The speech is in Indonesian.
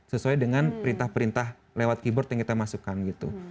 sesuai dengan perintah perintah lewat keyboard yang kita masukkan gitu